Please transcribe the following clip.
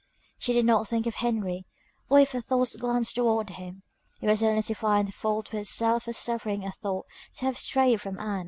She did not think of Henry, or if her thoughts glanced towards him, it was only to find fault with herself for suffering a thought to have strayed from Ann.